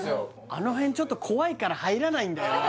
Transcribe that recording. あの辺ちょっと怖いから入らないんだよね